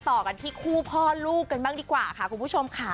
ต่อกันที่คู่พ่อลูกกันบ้างดีกว่าค่ะคุณผู้ชมค่ะ